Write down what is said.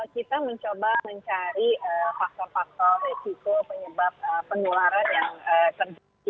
kita mencoba mencari faktor faktor resiko penyebab penularan yang terjadi